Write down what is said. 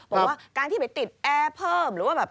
แบบว่าการที่ไปติดแอร์เพิ่มหรือว่าลูกแบบเปิดปิด